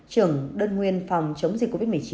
trưởng đơn nguyên phòng chống dịch covid một mươi chín